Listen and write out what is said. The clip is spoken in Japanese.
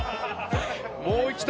もう一度。